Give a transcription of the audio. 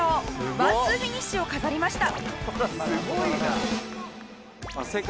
ワンツーフィニッシュを飾りました。